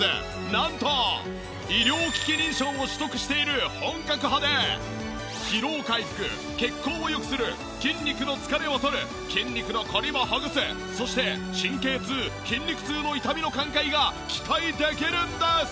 なんと医療機器認証を取得している本格派で疲労回復血行を良くする筋肉の疲れをとる筋肉のコリをほぐすそして神経痛筋肉痛の痛みの緩解が期待できるんです！